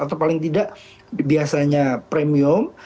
atau paling tidak biasanya premium